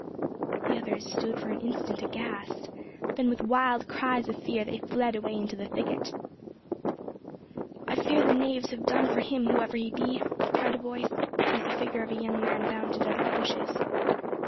The others stood for an instant aghast, then with wild cries of fear they fled away into the thicket. "I fear the knaves have done for him, whoever he be," cried a voice, as the figure of a young man bounded out of the bushes.